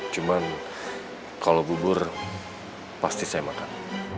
cuman kalau bubur pasti saya makan